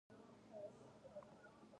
دوی په کور کې پاتې کیدلې او کار یې کاوه.